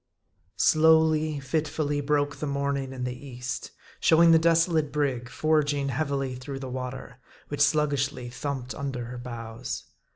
SLOWLY, fitfully, broke the morning in the East, showing the desolate brig forging heavily through the water, which sluggishly thumped under her bows.